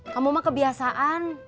kamu mah kebiasaan